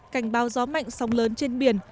cảnh báo gió mạnh sông lớn trên biển